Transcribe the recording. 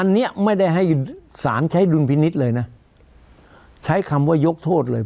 อันนี้ไม่ได้ให้สารใช้ดุลพินิษฐ์เลยนะใช้คำว่ายกโทษเลย